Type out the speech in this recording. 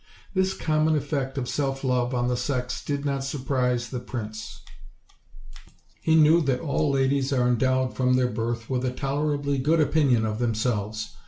This common effect of self love on the sex did not surprise the prince; he knew that all ladies are endowed from their birth with a tolerably good opinion of themselves.